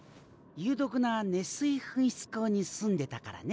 有毒な熱水噴出孔に住んでたからね。